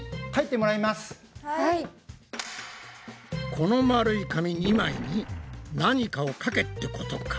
この円い紙２枚に何かをかけってことか？